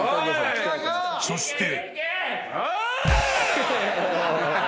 ［そして］